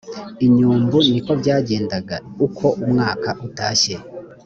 inyumbu ni ko byagendaga uko umwaka utashye